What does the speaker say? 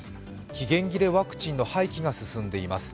期限切れワクチンの廃棄が進んでいます。